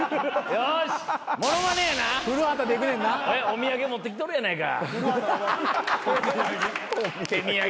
お土産持ってきとるやないか手土産。